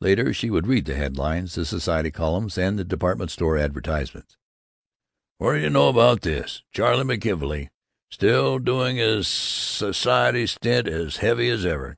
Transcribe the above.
Later she would read the headlines, the society columns, and the department store advertisements. "What do you know about this! Charley McKelvey still doing the sassiety stunt as heavy as ever.